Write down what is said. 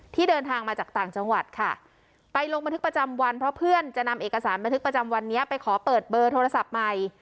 เดินทางมาจากต่างจังหวัดค่ะไปลงบันทึกประจำวันเพราะเพื่อนจะนำเอกสารบันทึกประจำวันนี้ไปขอเปิดเบอร์โทรศัพท์ใหม่